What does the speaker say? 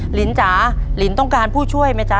ลินจ๋าลินต้องการผู้ช่วยไหมจ๊